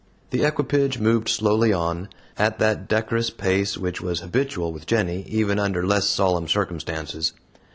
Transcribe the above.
The equipage moved slowly on, at that decorous pace which was habitual with "Jenny" even under less solemn circumstances.